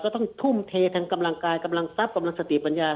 ต้องทุ่มเททั้งกำลังกายกำลังทรัพย์กำลังสติปัญญา